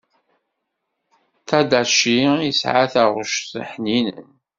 Tadashi yesɛa taɣect ḥninen.